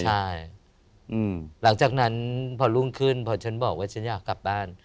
ใช่หลังจากนั้นพอรุ่งขึ้นพอฉันบอกว่าฉันอยากกลับบ้าน